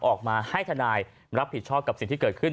ออกมาให้ทนายรับผิดชอบกับสิ่งที่เกิดขึ้น